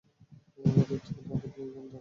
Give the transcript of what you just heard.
আমাদের তাদের প্ল্যান জানতে হবে।